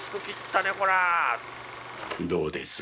どうです？